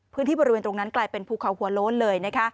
พื้นที่บริเวณตรงนั้นกลายเป็นภูเขาหัวโล้นเลยนะคะ